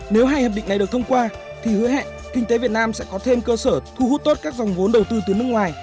nếu hai hiệp định này được thông qua thì hứa hẹn kinh tế việt nam sẽ có thêm cơ sở thu hút tốt các dòng vốn đầu tư từ nước ngoài